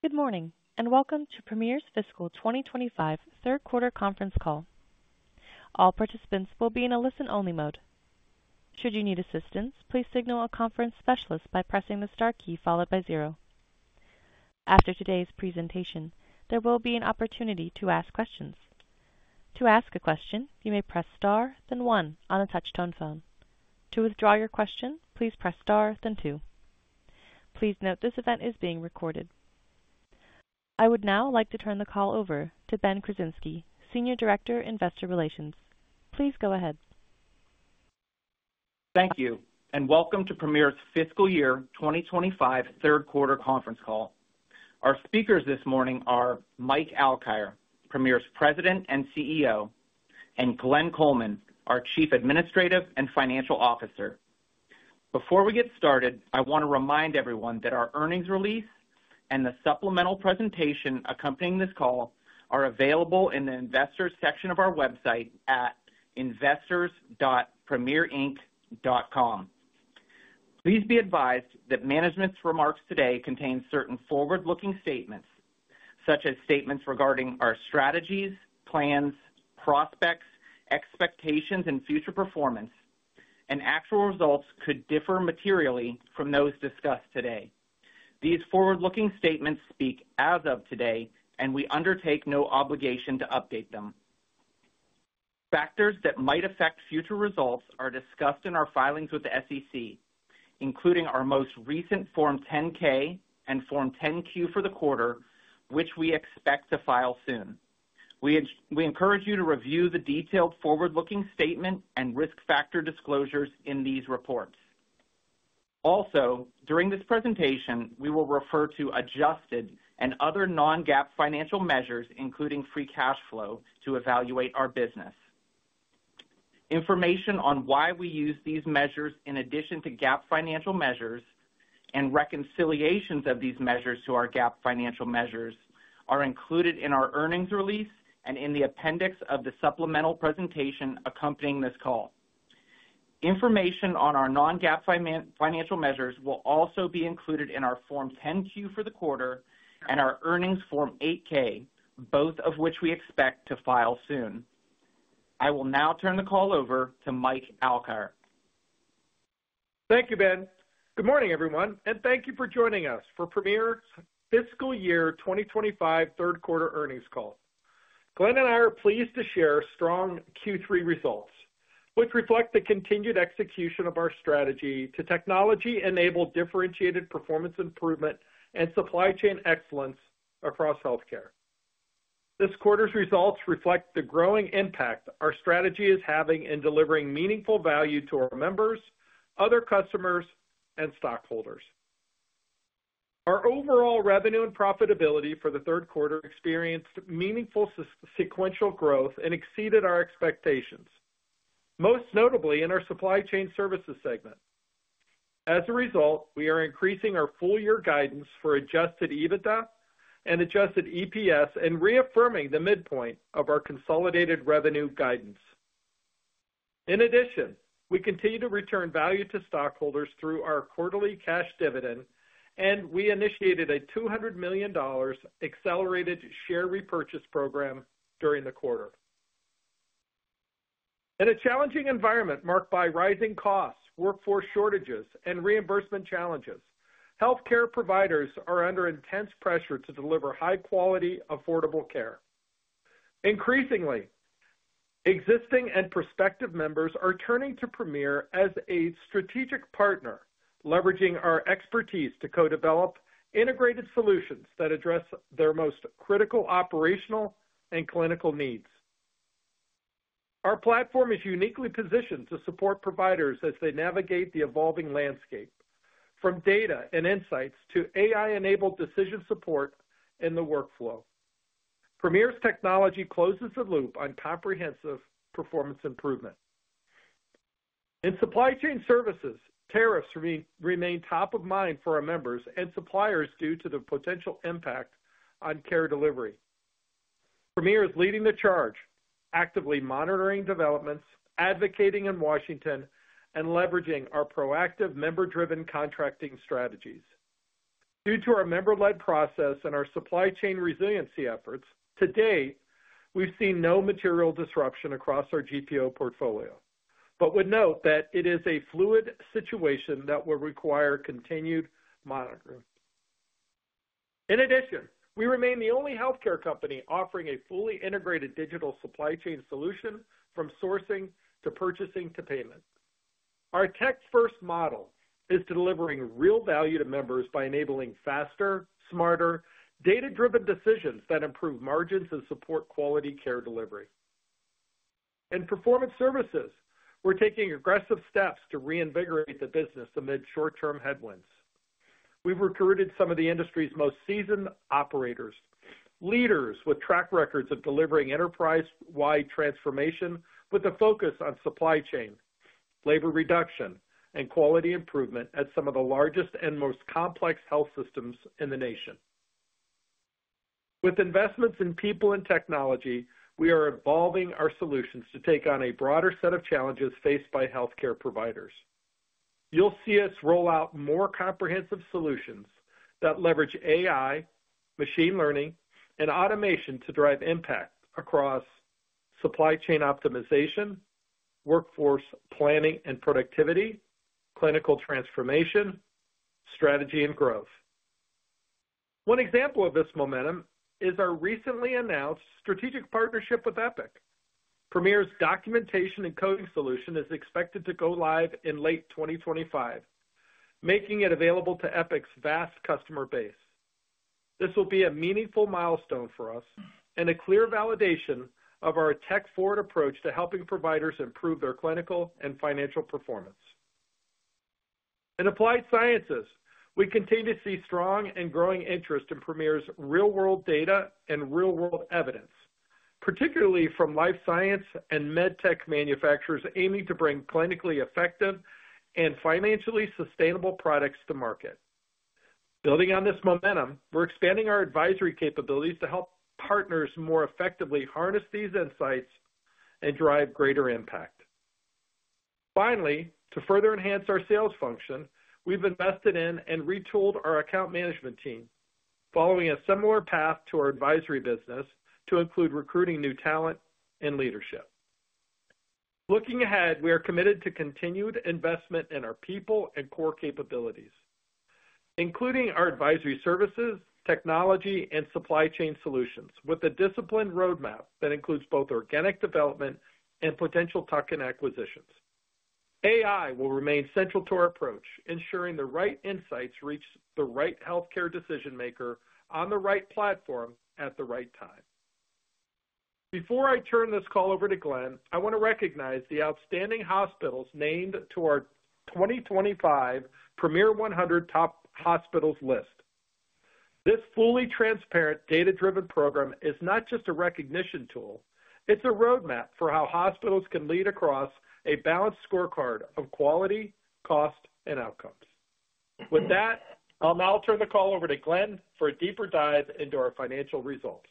Good morning and welcome to Premier's Fiscal 2025 Third Quarter Conference Call. All participants will be in a listen-only mode. Should you need assistance, please signal a conference specialist by pressing the star key followed by zero. After today's presentation, there will be an opportunity to ask questions. To ask a question, you may press star, then one on a touch tone phone. To withdraw your question, please press star, then two. Please note this event is being recorded. I would now like to turn the call over to Ben Krasinski, Senior Director, Investor Relations. Please go ahead. Thank you and welcome to Premier's Fiscal Year 2025 third quarter conference call. Our speakers this morning are Mike Alkire, Premier's President and CEO, and Glenn Coleman, our Chief Administrative and Financial Officer. Before we get started, I want to remind everyone that our earnings release and the supplemental presentation accompanying this call are available in the investors section of our website at investors.premierinc.com. Please be advised that management's remarks today contain certain forward-looking statements, such as statements regarding our strategies, plans, prospects, expectations, and future performance, and actual results could differ materially from those discussed today. These forward-looking statements speak as of today, and we undertake no obligation to update them. Factors that might affect future results are discussed in our filings with the SEC, including our most recent Form 10-K and Form 10-Q for the quarter, which we expect to file soon. We encourage you to review the detailed forward-looking statement and risk factor disclosures in these reports. Also, during this presentation, we will refer to adjusted and other non-GAAP financial measures, including free cash flow, to evaluate our business. Information on why we use these measures in addition to GAAP financial measures and reconciliations of these measures to our GAAP financial measures are included in our earnings release and in the appendix of the supplemental presentation accompanying this call. Information on our non-GAAP financial measures will also be included in our Form 10-Q for the quarter and our earnings Form 8-K, both of which we expect to file soon. I will now turn the call over to Mike Alkire. Thank you, Ben. Good morning, everyone, and thank you for joining us for Premier's Fiscal Year 2025 Third Quarter Earnings Call. Glenn and I are pleased to share strong Q3 results, which reflect the continued execution of our strategy to technology-enabled differentiated performance improvement and supply chain excellence across healthcare. This quarter's results reflect the growing impact our strategy is having in delivering meaningful value to our members, other customers, and stockholders. Our overall revenue and profitability for the third quarter experienced meaningful sequential growth and exceeded our expectations, most notably in our supply chain services segment. As a result, we are increasing our full-year guidance for adjusted EBITDA and adjusted EPS and reaffirming the midpoint of our consolidated revenue guidance. In addition, we continue to return value to stockholders through our quarterly cash dividend, and we initiated a $200 million accelerated share repurchase program during the quarter. In a challenging environment marked by rising costs, workforce shortages, and reimbursement challenges, healthcare providers are under intense pressure to deliver high-quality, affordable care. Increasingly, existing and prospective members are turning to Premier as a strategic partner, leveraging our expertise to co-develop integrated solutions that address their most critical operational and clinical needs. Our platform is uniquely positioned to support providers as they navigate the evolving landscape, from data and insights to AI-enabled decision support in the workflow. Premier's technology closes the loop on comprehensive performance improvement. In supply chain services, tariffs remain top of mind for our members and suppliers due to the potential impact on care delivery. Premier is leading the charge, actively monitoring developments, advocating in Washington, and leveraging our proactive member-driven contracting strategies. Due to our member-led process and our supply chain resiliency efforts, to date, we've seen no material disruption across our GPO portfolio, but would note that it is a fluid situation that will require continued monitoring. In addition, we remain the only healthcare company offering a fully integrated digital supply chain solution, from sourcing to purchasing to payment. Our tech-first model is delivering real value to members by enabling faster, smarter, data-driven decisions that improve margins and support quality care delivery. In performance services, we're taking aggressive steps to reinvigorate the business amid short-term headwinds. We've recruited some of the industry's most seasoned operators, leaders with track records of delivering enterprise-wide transformation with a focus on supply chain, labor reduction, and quality improvement at some of the largest and most complex health systems in the nation. With investments in people and technology, we are evolving our solutions to take on a broader set of challenges faced by healthcare providers. You'll see us roll out more comprehensive solutions that leverage AI, machine learning, and automation to drive impact across supply chain optimization, workforce planning and productivity, clinical transformation, strategy, and growth. One example of this momentum is our recently announced strategic partnership with Epic. Premier's documentation and coding solution is expected to go live in late 2025, making it available to Epic's vast customer base. This will be a meaningful milestone for us and a clear validation of our tech-forward approach to helping providers improve their clinical and financial performance. In applied sciences, we continue to see strong and growing interest in Premier's real-world data and real-world evidence, particularly from life science and med tech manufacturers aiming to bring clinically effective and financially sustainable products to market. Building on this momentum, we're expanding our advisory capabilities to help partners more effectively harness these insights and drive greater impact. Finally, to further enhance our sales function, we've invested in and retooled our account management team, following a similar path to our advisory business to include recruiting new talent and leadership. Looking ahead, we are committed to continued investment in our people and core capabilities, including our advisory services, technology, and supply chain solutions, with a disciplined roadmap that includes both organic development and potential token acquisitions. AI will remain central to our approach, ensuring the right insights reach the right healthcare decision-maker on the right platform at the right time. Before I turn this call over to Glenn, I want to recognize the outstanding hospitals named to our 2025 Premier 100 Top Hospitals list. This fully transparent, data-driven program is not just a recognition tool. It is a roadmap for how hospitals can lead across a balanced scorecard of quality, cost, and outcomes. With that, I'll now turn the call over to Glenn for a deeper dive into our financial results.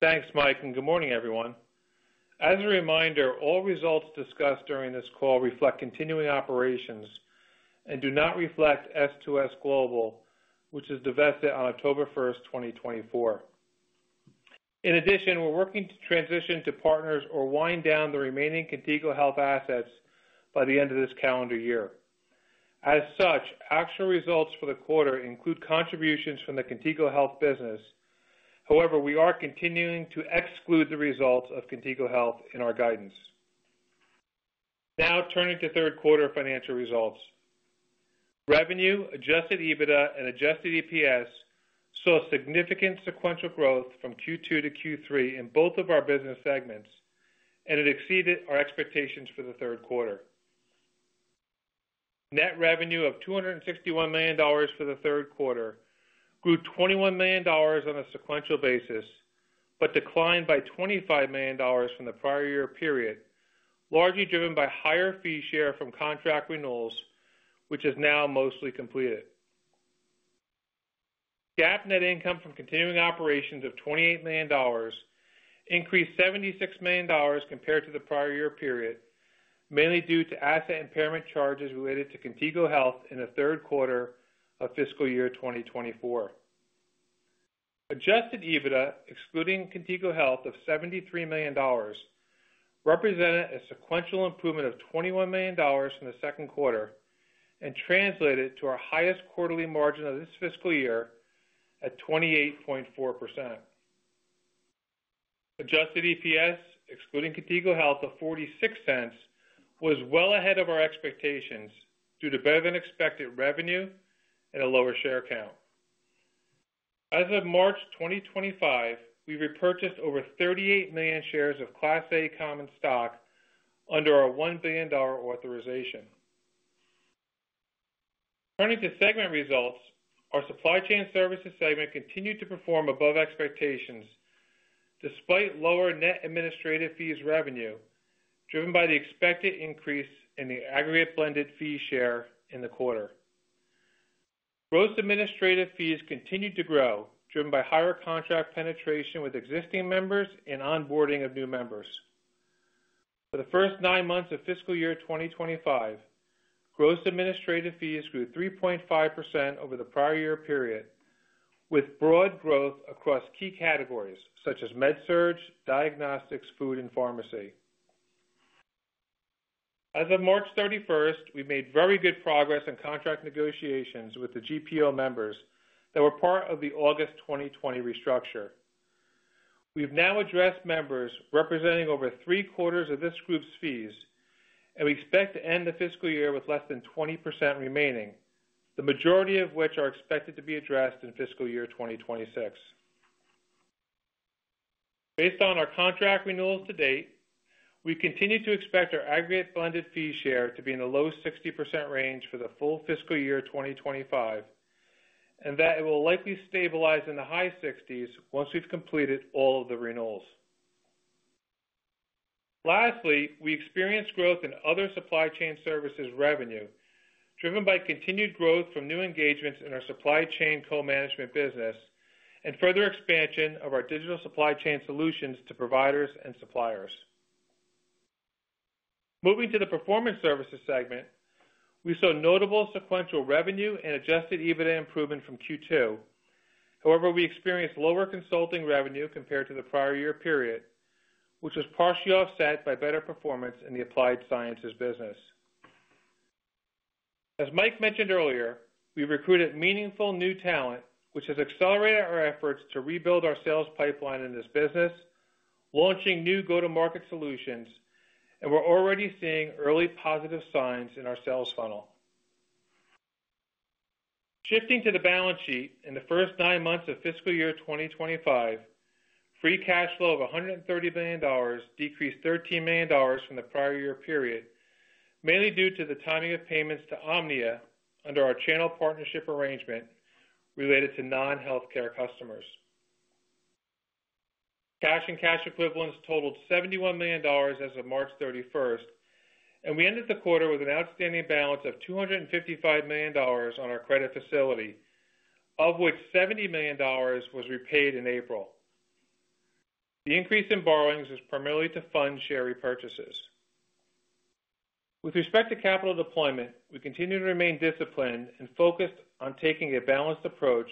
Thanks, Mike, and good morning, everyone. As a reminder, all results discussed during this call reflect continuing operations and do not reflect S2S Global, which was divested on October 1, 2024. In addition, we're working to transition to partners or wind down the remaining Contigo Health assets by the end of this calendar year. As such, actual results for the quarter include contributions from the Contigo Health business. However, we are continuing to exclude the results of Contigo Health in our guidance. Now, turning to third quarter financial results. Revenue, adjusted EBITDA, and adjusted EPS saw significant sequential growth from Q2 to Q3 in both of our business segments, and it exceeded our expectations for the third quarter. Net revenue of $261 million for the third quarter grew $21 million on a sequential basis, but declined by $25 million from the prior year period, largely driven by higher fee share from contract renewals, which is now mostly completed. GAAP net income from continuing operations of $28 million increased $76 million compared to the prior year period, mainly due to asset impairment charges related to Contigo Health in the third quarter of fiscal year 2024. Adjusted EBITDA, excluding Contigo Health, of $73 million represented a sequential improvement of $21 million from the second quarter and translated to our highest quarterly margin of this fiscal year at 28.4%. Adjusted EPS, excluding Contigo Health, of $0.46 was well ahead of our expectations due to better-than-expected revenue and a lower share count. As of March 2025, we've repurchased over 38 million shares of Class A common stock under our $1 billion authorization. Turning to segment results, our supply chain services segment continued to perform above expectations despite lower net administrative fees revenue driven by the expected increase in the aggregate blended fee share in the quarter. Gross administrative fees continued to grow, driven by higher contract penetration with existing members and onboarding of new members. For the first nine months of fiscal year 2025, gross administrative fees grew 3.5% over the prior year period, with broad growth across key categories such as med surge, diagnostics, food, and pharmacy. As of March 31, we made very good progress in contract negotiations with the GPO members that were part of the August 2020 restructure. We've now addressed members representing over three-quarters of this group's fees, and we expect to end the fiscal year with less than 20% remaining, the majority of which are expected to be addressed in fiscal year 2026. Based on our contract renewals to date, we continue to expect our aggregate blended fee share to be in the low 60% range for the full fiscal year 2025, and that it will likely stabilize in the high 60% once we've completed all of the renewals. Lastly, we experienced growth in other supply chain services revenue, driven by continued growth from new engagements in our supply chain co-management business and further expansion of our digital supply chain solutions to providers and suppliers. Moving to the performance services segment, we saw notable sequential revenue and adjusted EBITDA improvement from Q2. However, we experienced lower consulting revenue compared to the prior year period, which was partially offset by better performance in the applied sciences business. As Mike mentioned earlier, we've recruited meaningful new talent, which has accelerated our efforts to rebuild our sales pipeline in this business, launching new go-to-market solutions, and we're already seeing early positive signs in our sales funnel. Shifting to the balance sheet, in the first nine months of fiscal year 2025, free cash flow of $130 million decreased $13 million from the prior year period, mainly due to the timing of payments to Omnia under our channel partnership arrangement related to non-healthcare customers. Cash and cash equivalents totaled $71 million as of March 31, and we ended the quarter with an outstanding balance of $255 million on our credit facility, of which $70 million was repaid in April. The increase in borrowings is primarily to fund share repurchases. With respect to capital deployment, we continue to remain disciplined and focused on taking a balanced approach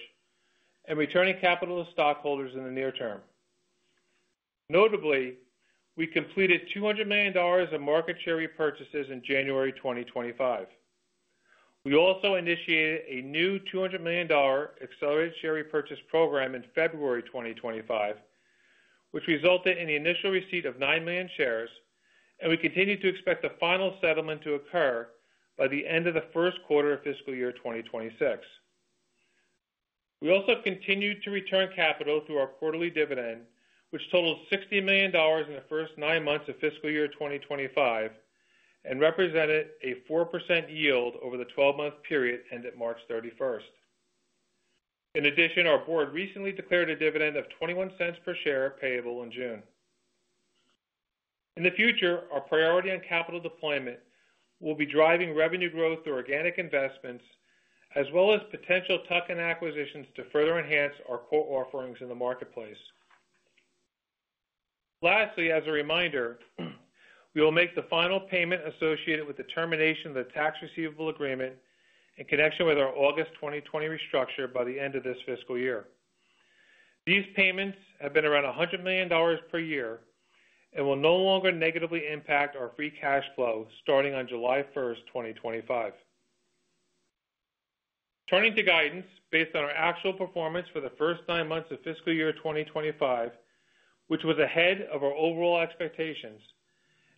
and returning capital to stockholders in the near term. Notably, we completed $200 million of market share repurchases in January 2025. We also initiated a new $200 million accelerated share repurchase program in February 2025, which resulted in the initial receipt of 9 million shares, and we continue to expect the final settlement to occur by the end of the first quarter of fiscal year 2026. We also continued to return capital through our quarterly dividend, which totaled $60 million in the first nine months of fiscal year 2025 and represented a 4% yield over the 12-month period ended March 31. In addition, our board recently declared a dividend of $0.21 per share payable in June. In the future, our priority on capital deployment will be driving revenue growth through organic investments, as well as potential token acquisitions to further enhance our core offerings in the marketplace. Lastly, as a reminder, we will make the final payment associated with the termination of the tax receivable agreement in connection with our August 2020 restructure by the end of this fiscal year. These payments have been around $100 million per year and will no longer negatively impact our free cash flow starting on July 1st, 2025. Turning to guidance, based on our actual performance for the first nine months of fiscal year 2025, which was ahead of our overall expectations,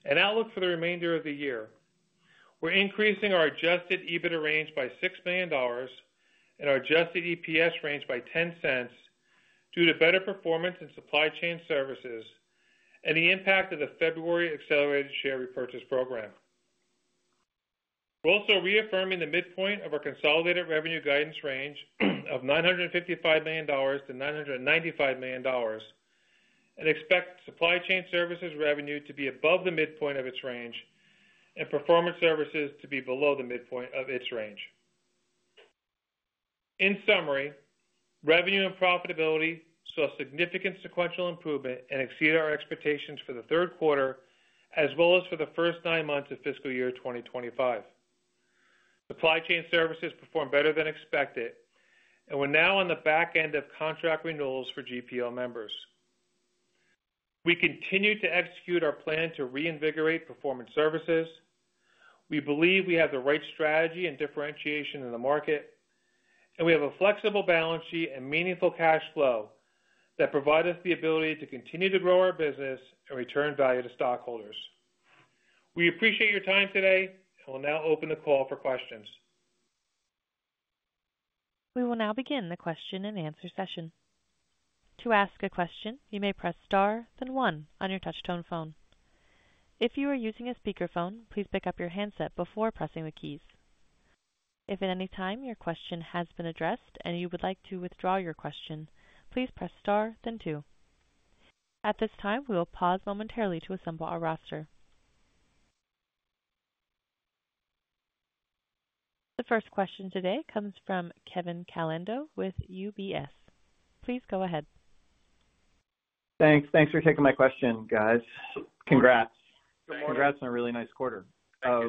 and outlook for the remainder of the year, we're increasing our adjusted EBITDA range by $6 million and our adjusted EPS range by $0.10 due to better performance in supply chain services and the impact of the February accelerated share repurchase program. We're also reaffirming the midpoint of our consolidated revenue guidance range of $955 million-$995 million and expect supply chain services revenue to be above the midpoint of its range and performance services to be below the midpoint of its range. In summary, revenue and profitability saw significant sequential improvement and exceeded our expectations for the third quarter, as well as for the first nine months of fiscal year 2025. Supply chain services performed better than expected and were now on the back end of contract renewals for GPO members. We continue to execute our plan to reinvigorate performance services. We believe we have the right strategy and differentiation in the market, and we have a flexible balance sheet and meaningful cash flow that provide us the ability to continue to grow our business and return value to stockholders. We appreciate your time today and will now open the call for questions. We will now begin the question and answer session. To ask a question, you may press star, then one on your touch-tone phone. If you are using a speakerphone, please pick up your handset before pressing the keys. If at any time your question has been addressed and you would like to withdraw your question, please press star, then two. At this time, we will pause momentarily to assemble our roster. The first question today comes from Kevin Caliendo with UBS. Please go ahead. Thanks. Thanks for taking my question, guys. Congrats. Congrats on a really nice quarter. I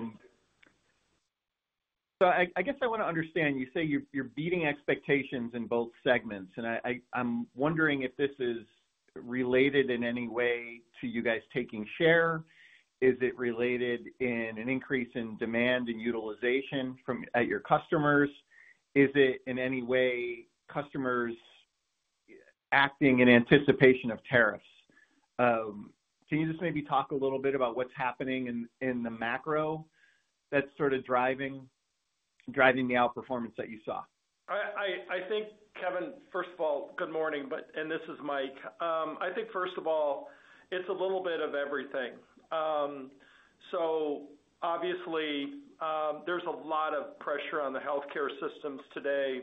guess I want to understand. You say you're beating expectations in both segments, and I'm wondering if this is related in any way to you guys taking share. Is it related in an increase in demand and utilization at your customers? Is it in any way customers acting in anticipation of tariffs? Can you just maybe talk a little bit about what's happening in the macro that's sort of driving the outperformance that you saw? I think, Kevin, first of all, good morning, and this is Mike. I think, first of all, it's a little bit of everything. Obviously, there's a lot of pressure on the healthcare systems today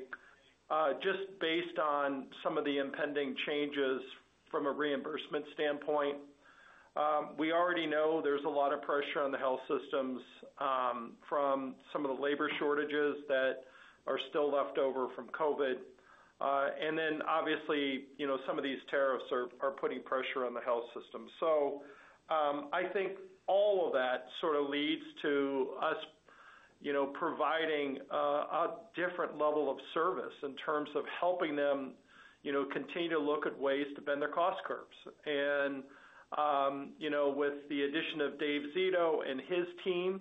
just based on some of the impending changes from a reimbursement standpoint. We already know there's a lot of pressure on the health systems from some of the labor shortages that are still left over from COVID. Obviously, some of these tariffs are putting pressure on the health system. I think all of that sort of leads to us providing a different level of service in terms of helping them continue to look at ways to bend their cost curves. With the addition of Dave Zito and his team,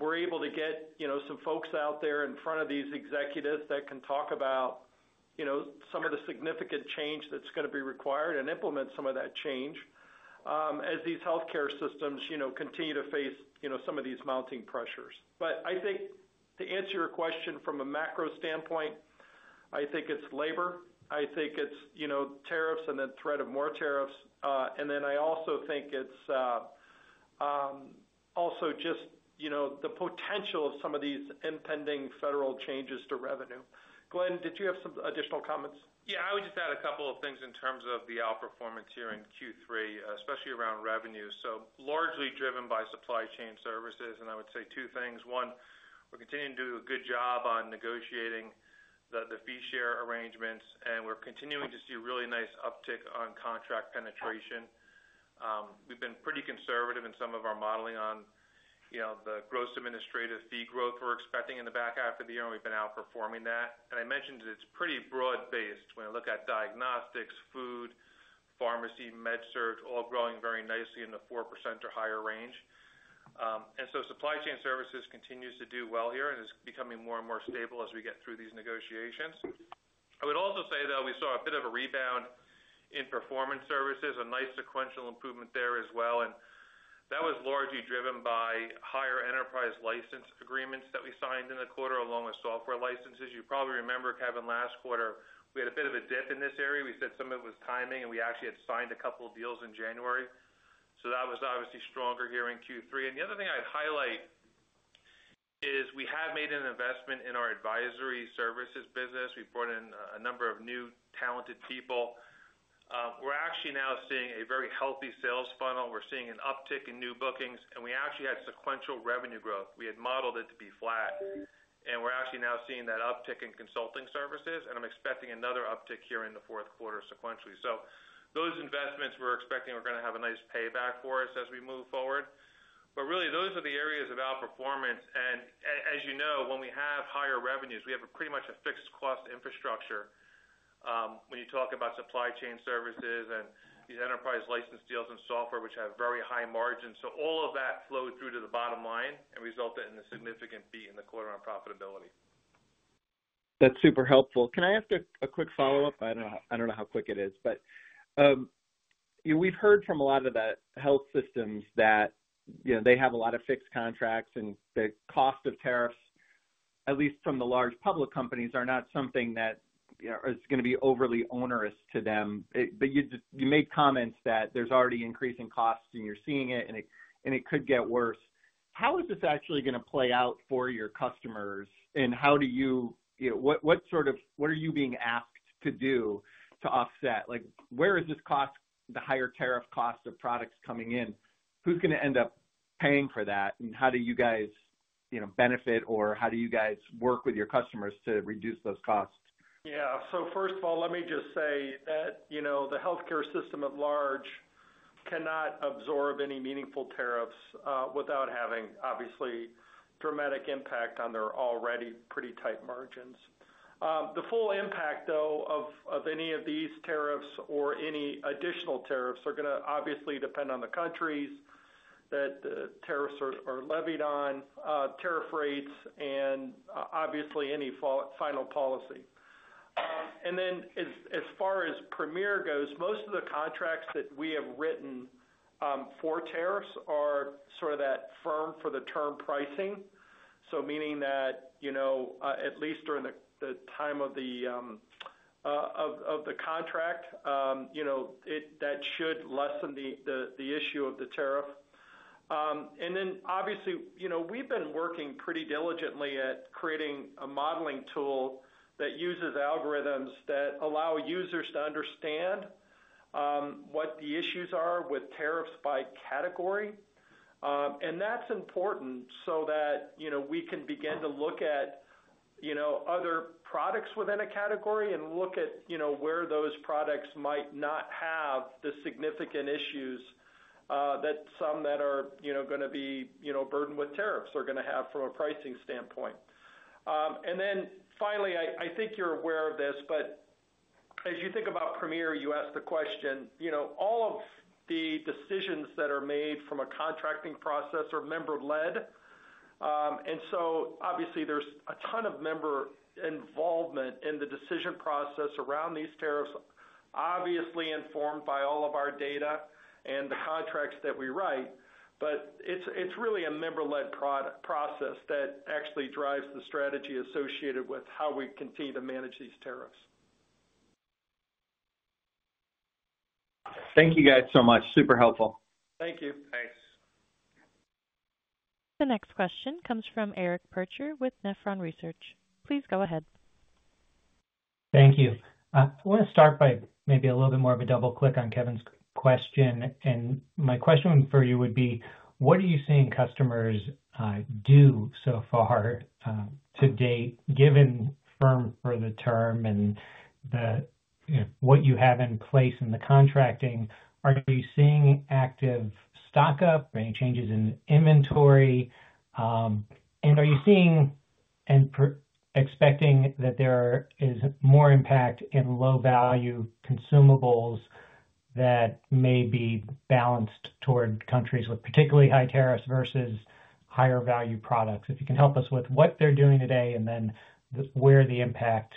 we're able to get some folks out there in front of these executives that can talk about some of the significant change that's going to be required and implement some of that change as these healthcare systems continue to face some of these mounting pressures. I think to answer your question from a macro standpoint, I think it's labor. I think it's tariffs and the threat of more tariffs. I also think it's just the potential of some of these impending federal changes to revenue. Glenn, did you have some additional comments? Yeah, I would just add a couple of things in terms of the outperformance here in Q3, especially around revenue. Largely driven by supply chain services, and I would say two things. One, we're continuing to do a good job on negotiating the fee share arrangements, and we're continuing to see a really nice uptick on contract penetration. We've been pretty conservative in some of our modeling on the gross administrative fee growth we're expecting in the back half of the year, and we've been outperforming that. I mentioned it's pretty broad-based when I look at diagnostics, food, pharmacy, med surge, all growing very nicely in the 4% or higher range. Supply chain services continues to do well here and is becoming more and more stable as we get through these negotiations. I would also say, though, we saw a bit of a rebound in performance services, a nice sequential improvement there as well. That was largely driven by higher enterprise license agreements that we signed in the quarter along with software licenses. You probably remember, Kevin, last quarter, we had a bit of a dip in this area. We said some of it was timing, and we actually had signed a couple of deals in January. That was obviously stronger here in Q3. The other thing I'd highlight is we have made an investment in our advisory services business. We brought in a number of new talented people. We're actually now seeing a very healthy sales funnel. We're seeing an uptick in new bookings, and we actually had sequential revenue growth. We had modeled it to be flat, and we're actually now seeing that uptick in consulting services, and I'm expecting another uptick here in the fourth quarter sequentially. Those investments we're expecting are going to have a nice payback for us as we move forward. Really, those are the areas of outperformance. As you know, when we have higher revenues, we have pretty much a fixed cost infrastructure when you talk about supply chain services and these enterprise license deals and software, which have very high margins. All of that flowed through to the bottom line and resulted in a significant beat in the quarter on profitability. That's super helpful. Can I ask a quick follow-up? I don't know how quick it is, but we've heard from a lot of the health systems that they have a lot of fixed contracts, and the cost of tariffs, at least from the large public companies, are not something that is going to be overly onerous to them. You made comments that there's already increasing costs and you're seeing it, and it could get worse. How is this actually going to play out for your customers, and what are you being asked to do to offset? Where is this cost, the higher tariff cost of products coming in? Who's going to end up paying for that, and how do you guys benefit, or how do you guys work with your customers to reduce those costs? Yeah. First of all, let me just say that the healthcare system at large cannot absorb any meaningful tariffs without having, obviously, a dramatic impact on their already pretty tight margins. The full impact, though, of any of these tariffs or any additional tariffs are going to obviously depend on the countries that the tariffs are levied on, tariff rates, and obviously any final policy. As far as Premier goes, most of the contracts that we have written for tariffs are sort of that firm-for-the-term pricing, meaning that at least during the time of the contract, that should lessen the issue of the tariff. Obviously, we've been working pretty diligently at creating a modeling tool that uses algorithms that allow users to understand what the issues are with tariffs by category. That is important so that we can begin to look at other products within a category and look at where those products might not have the significant issues that some that are going to be burdened with tariffs are going to have from a pricing standpoint. Finally, I think you are aware of this, but as you think about Premier, you asked the question, all of the decisions that are made from a contracting process are member-led. Obviously, there is a ton of member involvement in the decision process around these tariffs, obviously informed by all of our data and the contracts that we write. It is really a member-led process that actually drives the strategy associated with how we continue to manage these tariffs. Thank you guys so much. Super helpful. Thank you. Thanks. The next question comes from Eric Percher with Nephron Research. Please go ahead. Thank you. I want to start by maybe a little bit more of a double-click on Kevin's question. My question for you would be, what are you seeing customers do so far to date, given firm-for-the-term and what you have in place in the contracting? Are you seeing active stock-up, any changes in inventory? Are you seeing and expecting that there is more impact in low-value consumables that may be balanced toward countries with particularly high tariffs versus higher-value products? If you can help us with what they're doing today and then where the impact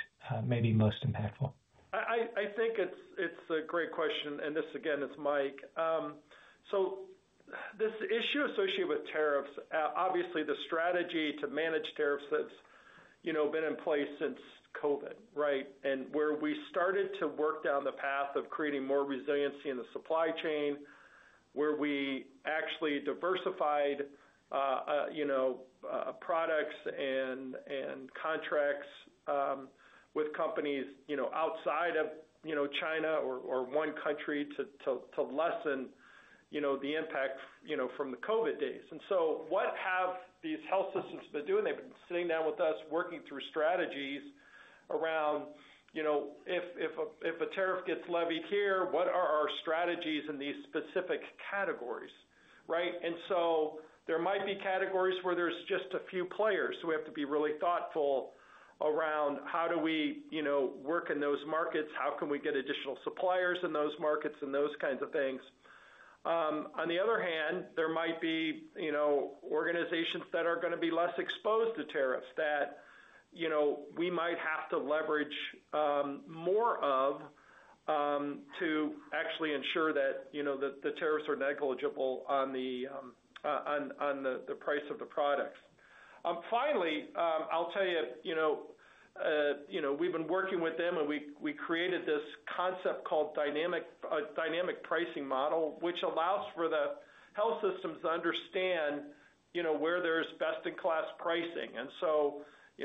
may be most impactful. I think it's a great question. This, again, is Mike. This issue associated with tariffs, obviously, the strategy to manage tariffs that's been in place since COVID, right? Where we started to work down the path of creating more resiliency in the supply chain, where we actually diversified products and contracts with companies outside of China or one country to lessen the impact from the COVID days. What have these health systems been doing? They've been sitting down with us, working through strategies around, "If a tariff gets levied here, what are our strategies in these specific categories?" There might be categories where there's just a few players. We have to be really thoughtful around how do we work in those markets, how can we get additional suppliers in those markets, and those kinds of things. On the other hand, there might be organizations that are going to be less exposed to tariffs that we might have to leverage more of to actually ensure that the tariffs are negligible on the price of the products. Finally, I'll tell you, we've been working with them, and we created this concept called Dynamic Pricing Model, which allows for the health systems to understand where there's best-in-class pricing.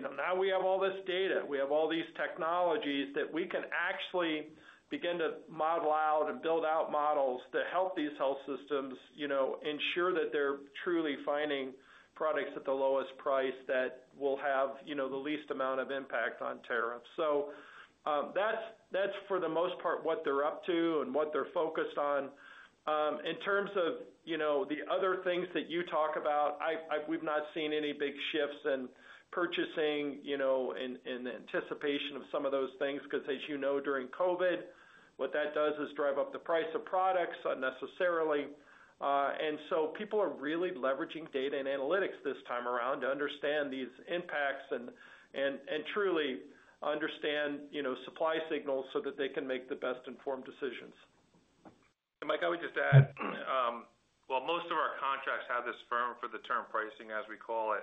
Now we have all this data. We have all these technologies that we can actually begin to model out and build out models to help these health systems ensure that they're truly finding products at the lowest price that will have the least amount of impact on tariffs. That's, for the most part, what they're up to and what they're focused on. In terms of the other things that you talk about, we've not seen any big shifts in purchasing in anticipation of some of those things because, as you know, during COVID, what that does is drive up the price of products unnecessarily. People are really leveraging data and analytics this time around to understand these impacts and truly understand supply signals so that they can make the best-in-form decisions. Mike, I would just add, while most of our contracts have this firm-for-the-term pricing, as we call it,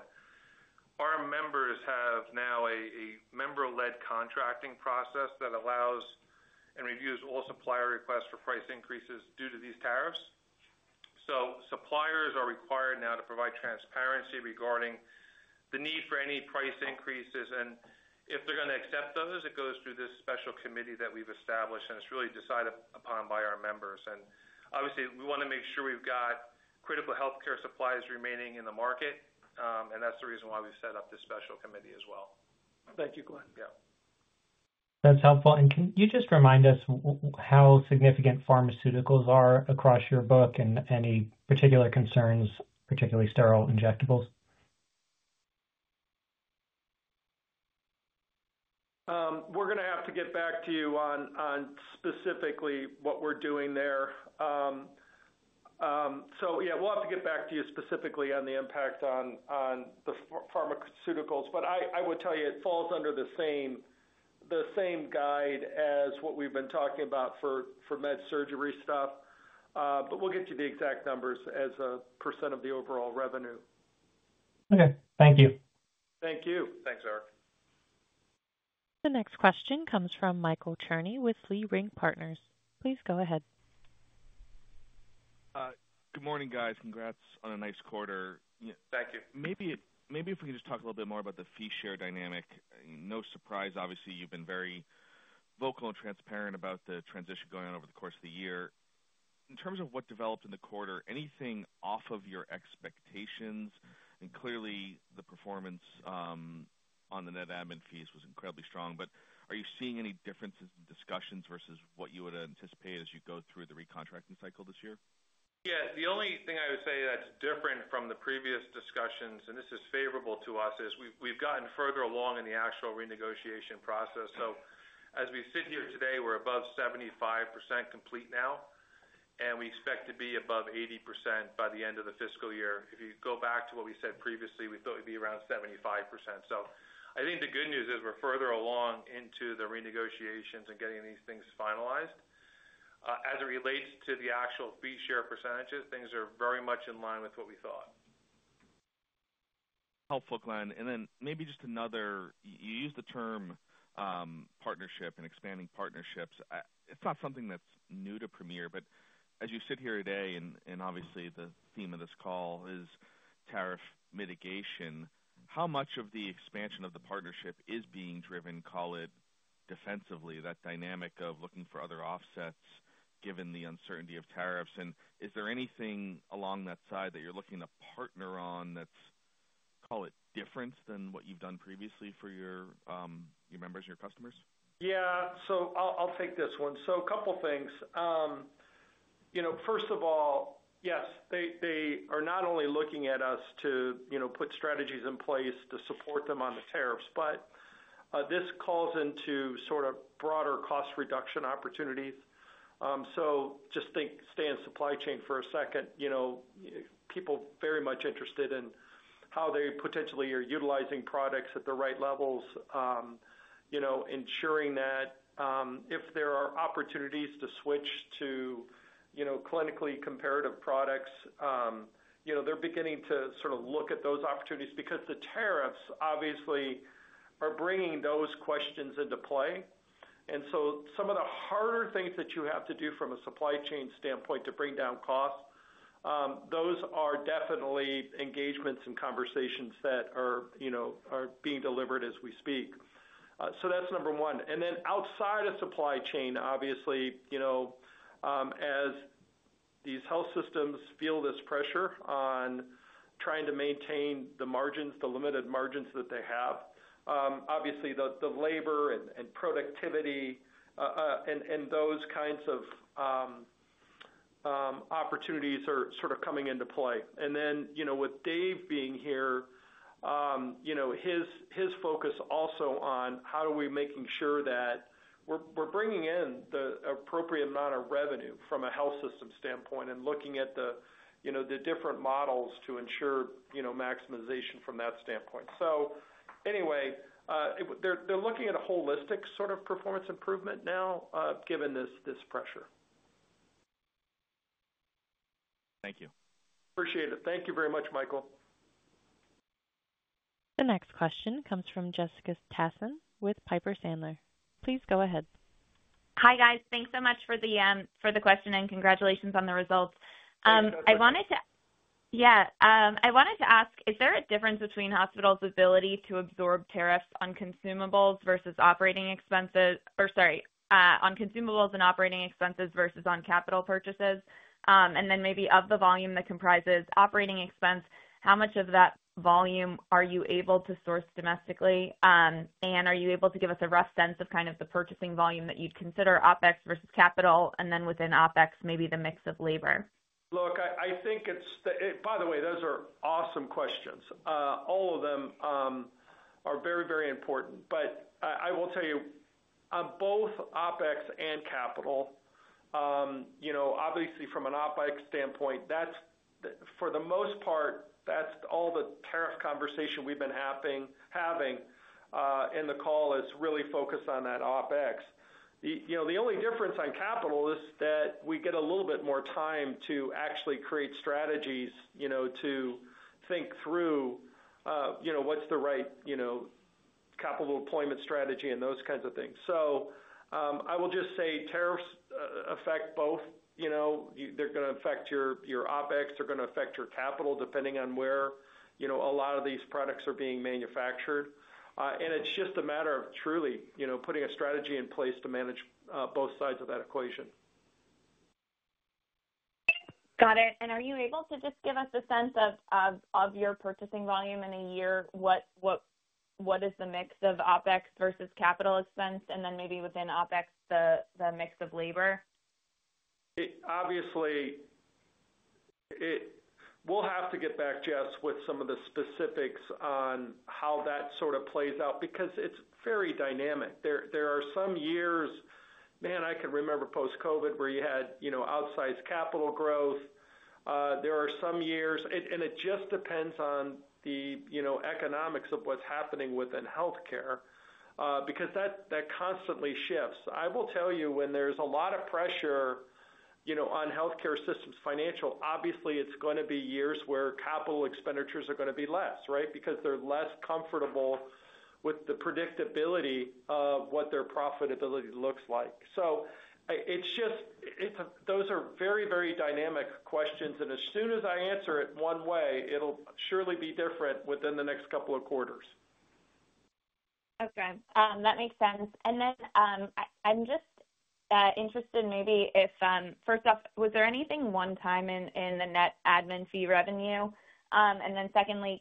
our members have now a member-led contracting process that allows and reviews all supplier requests for price increases due to these tariffs. Suppliers are required now to provide transparency regarding the need for any price increases. If they are going to accept those, it goes through this special committee that we have established, and it is really decided upon by our members. Obviously, we want to make sure we have critical healthcare supplies remaining in the market, and that is the reason why we have set up this special committee as well. Thank you, Glenn. Yeah. That's helpful. Can you just remind us how significant pharmaceuticals are across your book and any particular concerns, particularly sterile injectables? We're going to have to get back to you on specifically what we're doing there. Yeah, we'll have to get back to you specifically on the impact on the pharmaceuticals. I would tell you, it falls under the same guide as what we've been talking about for med-surgery stuff. We'll get you the exact numbers as a % of the overall revenue. Okay. Thank you. Thank you. Thanks, Eric. The next question comes from Michael Cherny with Leerink Partners. Please go ahead. Good morning, guys. Congrats on a nice quarter. Thank you. Maybe if we can just talk a little bit more about the fee share dynamic. No surprise, obviously, you've been very vocal and transparent about the transition going on over the course of the year. In terms of what developed in the quarter, anything off of your expectations? Clearly, the performance on the net admin fees was incredibly strong. Are you seeing any differences in discussions versus what you would anticipate as you go through the recontracting cycle this year? Yeah. The only thing I would say that's different from the previous discussions, and this is favorable to us, is we've gotten further along in the actual renegotiation process. As we sit here today, we're above 75% complete now, and we expect to be above 80% by the end of the fiscal year. If you go back to what we said previously, we thought we'd be around 75%. I think the good news is we're further along into the renegotiations and getting these things finalized. As it relates to the actual fee share percentages, things are very much in line with what we thought. Helpful, Glenn. Then maybe just another—you used the term partnership and expanding partnerships. It's not something that's new to Premier. As you sit here today, and obviously the theme of this call is tariff mitigation, how much of the expansion of the partnership is being driven, call it defensively, that dynamic of looking for other offsets given the uncertainty of tariffs? Is there anything along that side that you're looking to partner on that's, call it, different than what you've done previously for your members and your customers? Yeah. I'll take this one. A couple of things. First of all, yes, they are not only looking at us to put strategies in place to support them on the tariffs, but this calls into sort of broader cost reduction opportunities. Just think, stay in supply chain for a second. People are very much interested in how they potentially are utilizing products at the right levels, ensuring that if there are opportunities to switch to clinically comparative products, they're beginning to sort of look at those opportunities because the tariffs obviously are bringing those questions into play. Some of the harder things that you have to do from a supply chain standpoint to bring down costs, those are definitely engagements and conversations that are being delivered as we speak. That's number one. Outside of supply chain, obviously, as these health systems feel this pressure on trying to maintain the margins, the limited margins that they have, obviously, the labor and productivity and those kinds of opportunities are sort of coming into play. With Dave being here, his focus also on how are we making sure that we're bringing in the appropriate amount of revenue from a health system standpoint and looking at the different models to ensure maximization from that standpoint. Anyway, they're looking at a holistic sort of performance improvement now given this pressure. Thank you. Appreciate it. Thank you very much, Michael. The next question comes from Jessica Tassan with Piper Sandler. Please go ahead. Hi, guys. Thanks so much for the question and congratulations on the results. Thank you. I wanted to, yeah. I wanted to ask, is there a difference between hospitals' ability to absorb tariffs on consumables versus operating expenses—or sorry, on consumables and operating expenses versus on capital purchases? Maybe of the volume that comprises operating expense, how much of that volume are you able to source domestically? Are you able to give us a rough sense of kind of the purchasing volume that you'd consider OpEx versus capital, and then within OpEx, maybe the mix of labor? Look, I think it's—by the way, those are awesome questions. All of them are very, very important. I will tell you, on both OpEx and capital, obviously, from an OpEx standpoint, for the most part, that's all the tariff conversation we've been having in the call is really focused on that OpEx. The only difference on capital is that we get a little bit more time to actually create strategies to think through what's the right capital deployment strategy and those kinds of things. I will just say tariffs affect both. They're going to affect your OpEx. They're going to affect your capital depending on where a lot of these products are being manufactured. It's just a matter of truly putting a strategy in place to manage both sides of that equation. Got it. Are you able to just give us a sense of your purchasing volume in a year? What is the mix of OpEx versus capital expense? Then maybe within OpEx, the mix of labor? Obviously, we'll have to get back, Jess, with some of the specifics on how that sort of plays out because it's very dynamic. There are some years, I can remember post-COVID where you had outsized capital growth. There are some years, and it just depends on the economics of what's happening within healthcare because that constantly shifts. I will tell you, when there's a lot of pressure on healthcare systems' financial, obviously, it's going to be years where capital expenditures are going to be less, right? Because they're less comfortable with the predictability of what their profitability looks like. Those are very, very dynamic questions. As soon as I answer it one way, it'll surely be different within the next couple of quarters. Okay. That makes sense. I am just interested maybe if, first off, was there anything one-time in the net admin fee revenue? Then,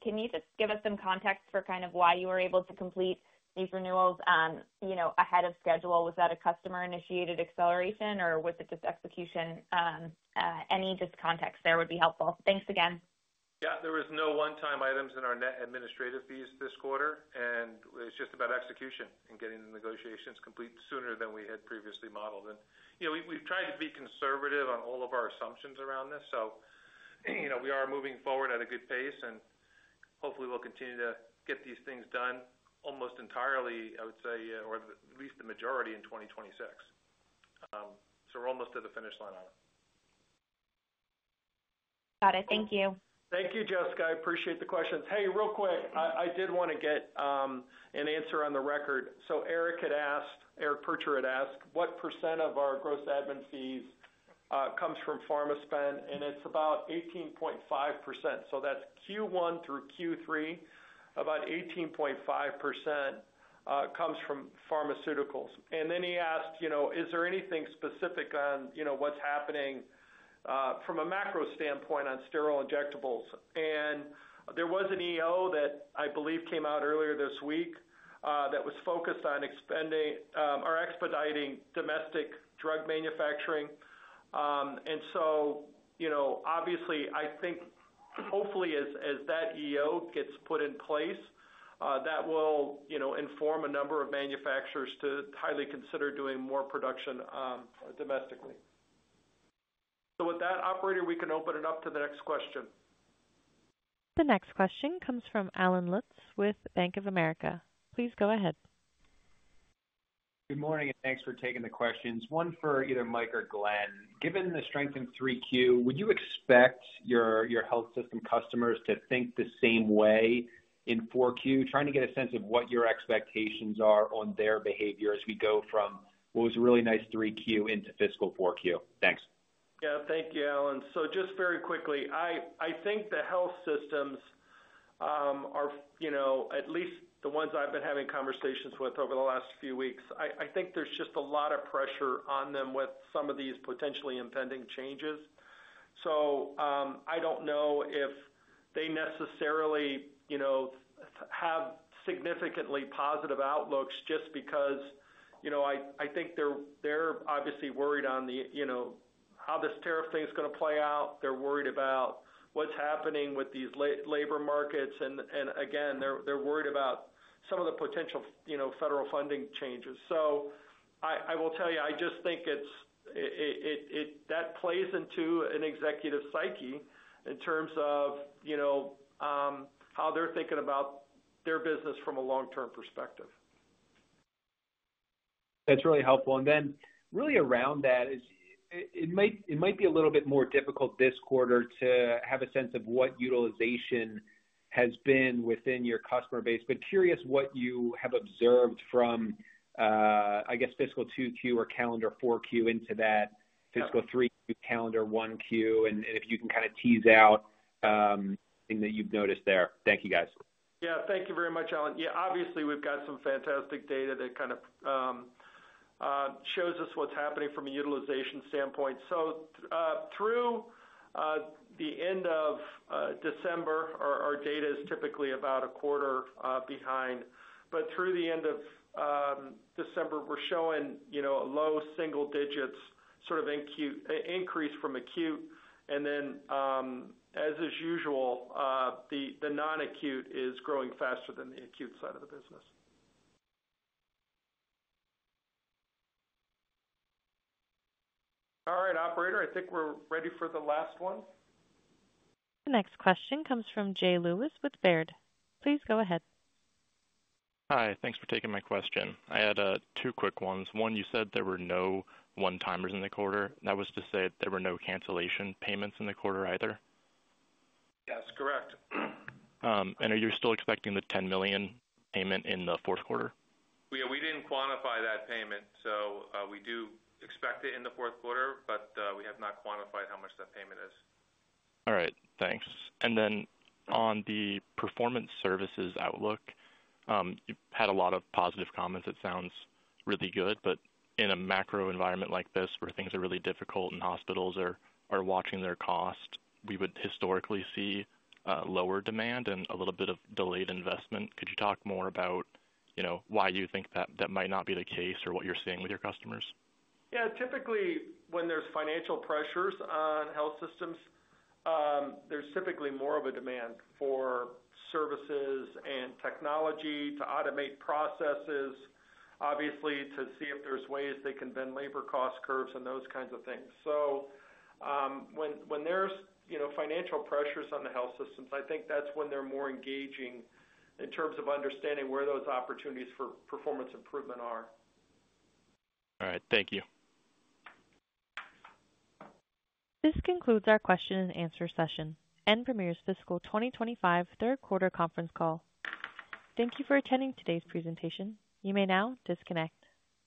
can you just give us some context for kind of why you were able to complete these renewals ahead of schedule? Was that a customer-initiated acceleration, or was it just execution? Any just context there would be helpful. Thanks again. Yeah. There were no one-time items in our net administrative fees this quarter. It was just about execution and getting the negotiations complete sooner than we had previously modeled. We have tried to be conservative on all of our assumptions around this. We are moving forward at a good pace. Hopefully, we will continue to get these things done almost entirely, I would say, or at least the majority in 2026. We are almost to the finish line on it. Got it. Thank you. Thank you, Jessica. I appreciate the questions. Hey, real quick, I did want to get an answer on the record. Eric had asked— Eric Percher had asked what % of our gross admin fees comes from pharma spend. It's about 18.5%. That's Q1 through Q3, about 18.5% comes from pharmaceuticals. And then he asked, is there anything specific on what's happening from a macro standpoint on sterile injectables? There was an EO that I believe came out earlier this week that was focused on expanding or expediting domestic drug manufacturing. Obviously, I think hopefully, as that EO gets put in place, that will inform a number of manufacturers to highly consider doing more production domestically. With that, operator, we can open it up to the next question. The next question comes from Alan Lutz with Bank of America. Please go ahead. Good morning, and thanks for taking the questions. One for either Mike or Glenn. Given the strength in 3Q, would you expect your health system customers to think the same way in 4Q? Trying to get a sense of what your expectations are on their behavior as we go from what was a really nice 3Q into fiscal 4Q. Thanks. Yeah. Thank you, Alan. Just very quickly, I think the health systems, at least the ones I've been having conversations with over the last few weeks, I think there's just a lot of pressure on them with some of these potentially impending changes. I don't know if they necessarily have significantly positive outlooks just because I think they're obviously worried on how this tariff thing is going to play out. They're worried about what's happening with these labor markets. Again, they're worried about some of the potential federal funding changes. I will tell you, I just think that plays into an executive psyche in terms of how they're thinking about their business from a long-term perspective. That's really helpful. Then really around that, it might be a little bit more difficult this quarter to have a sense of what utilization has been within your customer base. Curious what you have observed from, I guess, fiscal 2Q or calendar 4Q into that fiscal 3Q, calendar 1Q, and if you can kind of tease out anything that you've noticed there. Thank you, guys. Yeah. Thank you very much, Alan. Yeah. Obviously, we've got some fantastic data that kind of shows us what's happening from a utilization standpoint. Through the end of December, our data is typically about a quarter behind. Through the end of December, we're showing low single-digit sort of increase from acute. As is usual, the non-acute is growing faster than the acute side of the business. All right, operator, I think we're ready for the last one. The next question comes from Jay Lewis with Baird. Please go ahead. Hi. Thanks for taking my question. I had two quick ones. One, you said there were no one-timers in the quarter. That was to say there were no cancellation payments in the quarter either? Yes. Correct. Are you still expecting the $10 million payment in the fourth quarter? Yeah. We didn't quantify that payment. We do expect it in the fourth quarter, but we have not quantified how much that payment is. All right. Thanks. Then on the performance services outlook, you've had a lot of positive comments. It sounds really good. In a macro environment like this where things are really difficult and hospitals are watching their cost, we would historically see lower demand and a little bit of delayed investment. Could you talk more about why you think that might not be the case or what you're seeing with your customers? Yeah. Typically, when there's financial pressures on health systems, there's typically more of a demand for services and technology to automate processes, obviously, to see if there's ways they can bend labor cost curves and those kinds of things. When there's financial pressures on the health systems, I think that's when they're more engaging in terms of understanding where those opportunities for performance improvement are. All right. Thank you. This concludes our question-and-answer session. And Premier's fiscal 2025 third-quarter conference call. Thank you for attending today's presentation. You may now disconnect.